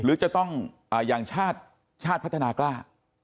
หรือจะต้องอย่างชาติชาติพัฒนากล้า